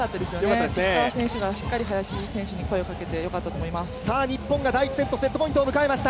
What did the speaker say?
石川選手がしっかり林選手に声をかけて、よかったと思います。